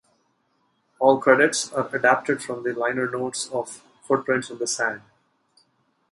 All credits are adapted from the liner notes of "Footprints in the Sand".